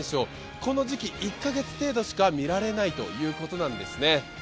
この時期１カ月程度しか見られないということなんですね。